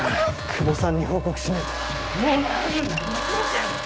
窪さんに報告しないと。